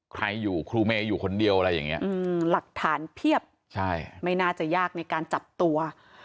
ใครอยู่ครูเมย์อยู่คนเดียวอะไรอย่างเงี้อืมหลักฐานเพียบใช่ไม่น่าจะยากในการจับตัว